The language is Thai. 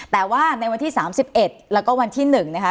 แต่ว่าในวันที่๓๑แล้วก็วันที่๑นะคะ